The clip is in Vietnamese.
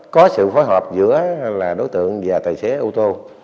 có sự phối hợp giữa đối tượng và tài xế ô tô